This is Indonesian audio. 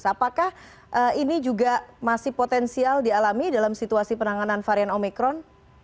apakah ini juga masih potensial dialami dalam situasi penanganan varian omikron